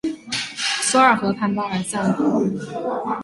索尔河畔巴尔赞库尔。